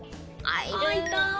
あっいた！